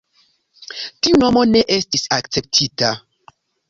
Tiu nomo ne estis akceptita.